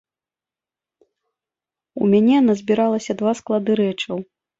У мяне назбіраліся два склады рэчаў.